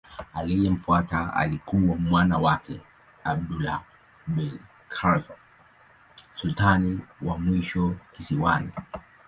Aliyemfuata alikuwa mwana wake Abdullah bin Khalifa sultani wa mwisho kisiwani.